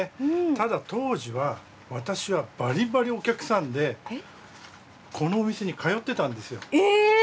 ただ、当時は私はバリバリお客さんでこの店に通っていたんですよ。